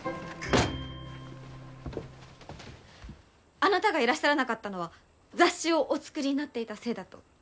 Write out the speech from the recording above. あなたがいらっしゃらなかったのは雑誌をお作りになっていたせいだと。